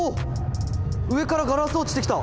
上からガラス落ちてきた！